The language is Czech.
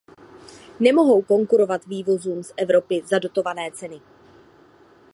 Nemohou konkurovat vývozům z Evropy za dotované ceny.